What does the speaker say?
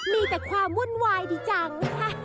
มีแต่ความมุ่นวายดีจัง